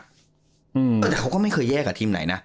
แต่เขาก็ไม่เคยแยกกับทีมไหนนะ